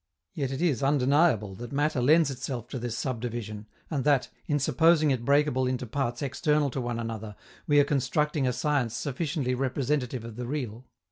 Yet it is undeniable that matter lends itself to this subdivision, and that, in supposing it breakable into parts external to one another, we are constructing a science sufficiently representative of the real.